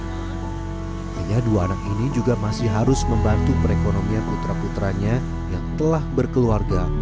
hanya dua anak ini juga masih harus membantu perekonomian putra putranya yang telah berkeluarga